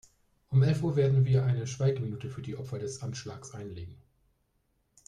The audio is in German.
Um elf Uhr werden wir eine Schweigeminute für die Opfer des Anschlags einlegen.